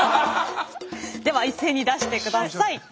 では一斉に出してください。